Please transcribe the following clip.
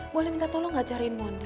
boleh minta tolong nggak cariin mondi